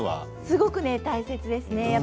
すごく大切ですね。